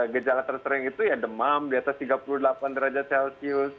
gejala tersering itu ya demam di atas tiga puluh delapan derajat celcius